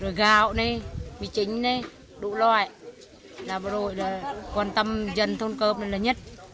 bộ đội này vị chính này đủ loại là bộ đội quan tâm dân thôn cơ này là nhất